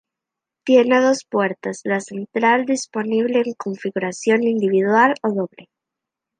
Tiene dos puertas, la central disponible en configuración individual o doble.